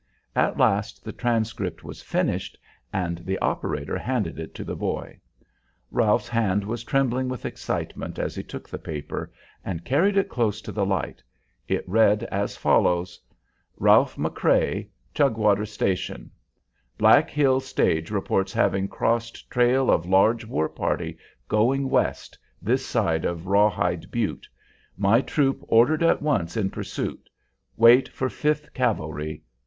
At last the transcript was finished, and the operator handed it to the boy. Ralph's hand was trembling with excitement as he took the paper and carried it close to the light. It read as follows: "RALPH MCCREA, Chugwater Station: "Black Hills stage reports having crossed trail of large war party going west, this side of Rawhide Butte. My troop ordered at once in pursuit. Wait for Fifth Cavalry.